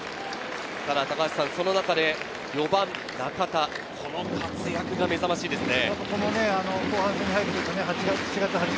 ただ高橋さん、その中で４番・中田、この活躍が目覚ましいですね。